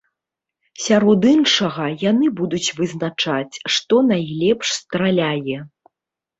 Сярод іншага, яны будуць вызначаць, што найлепш страляе.